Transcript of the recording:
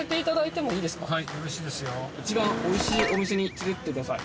一番おいしいお店に連れてってください。